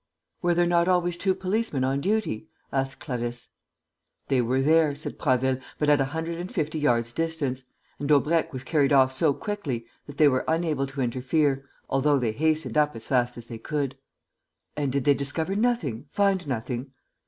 "Were there not always two policemen on duty?" asked Clarisse. "They were there," said Prasville, "but at a hundred and fifty yards' distance; and Daubrecq was carried off so quickly that they were unable to interfere, although they hastened up as fast as they could." "And did they discover nothing, find nothing?"